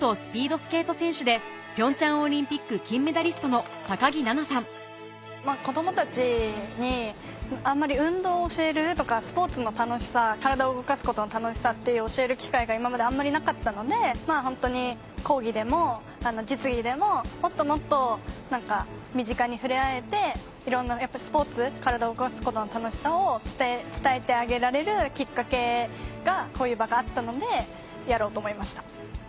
講師を務めたのは子供たちにあんまり運動を教えるとかスポーツの楽しさ体を動かすことの楽しさって教える機会が今まであんまりなかったのでホントに講義でも実技でももっともっと身近に触れ合えていろんなスポーツ体動かすことの楽しさを伝えてあげられるきっかけがこういう場があったのでやろうと思いました。